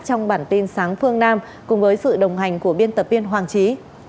trong bản tin sáng phương nam cùng với sự đồng hành của biên tập viên hoàng trí